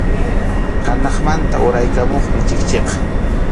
Hanaqmanta uraykamuqmi chikchiqa.